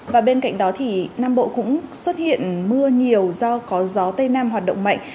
và bên cạnh đó thì nam bộ cũng xuất hiện mưa nhiều do có gió tây nam hoạt động mạnh